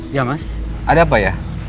ya mas ada apa ya